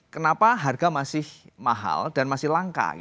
kenapa harga masih mahal dan masih langka